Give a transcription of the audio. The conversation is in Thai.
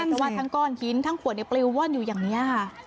แต่ว่าทั้งก้อนหินทั้งขวดในปลิวว่อนอยู่อย่างนี้